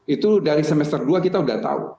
itu dari semester dua kita sudah tahu